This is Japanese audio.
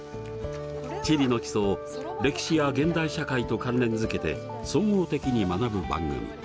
地理の基礎を歴史や現代社会と関連づけて総合的に学ぶ番組。